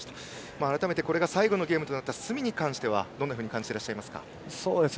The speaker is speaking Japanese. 改めて、これが最後のゲームとなった角に関してどう感じてらっしゃいますか？